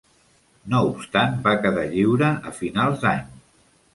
No obstant, va quedar lliure a finals d'any.